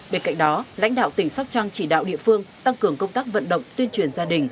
bên cạnh đó lãnh đạo tỉnh sóc trăng chỉ đạo địa phương tăng cường công tác vận động tuyên truyền gia đình